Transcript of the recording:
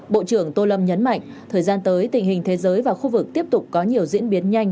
bộ trưởng tô lâm nhấn mạnh thời gian tới tình hình thế giới và khu vực tiếp tục có nhiều diễn biến nhanh